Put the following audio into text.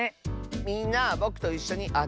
みんなぼくといっしょにあてようね。